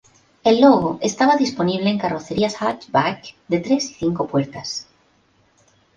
El Logo estaba disponible en carrocerías hatchback de tres y cinco puertas.